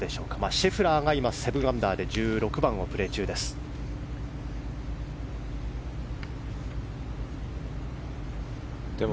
シェフラーが７アンダーで１６番をプレー中です。